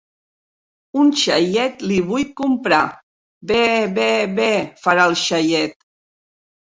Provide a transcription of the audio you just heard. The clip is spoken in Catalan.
Un xaiet li vull comprar.Be, be, be farà el xaiet.